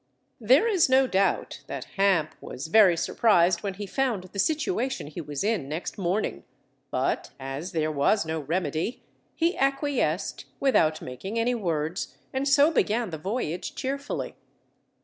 There is no doubt that Hamp was very surprised when he found the situation he was in next morning, but as there was no remedy, he acquiesced without making any words, and so began the voyage cheerfully.